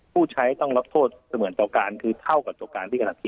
ผู้ใช้ต้องรับโทษเสมือนศักดาลการณ์คือเท่ากับศักดาลการณ์ที่กำลังผิด